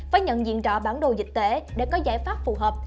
phải nhận diện rõ bản đồ dịch tễ để có giải pháp phù hợp